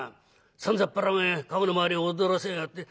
さんざっぱらおめえ駕籠の周りを踊らせやがって。